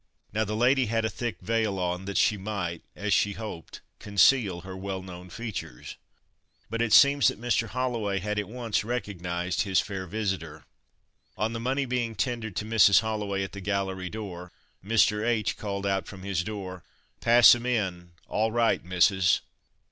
Now the lady had a thick veil on that she might, as she hoped, conceal her well known features. But it seems that Mr. Holloway had at once recognised his fair visitor. On the money being tendered to Mrs. Holloway at the gallery door, Mr. H. called out from his door, "Pass 'em in all right, missus."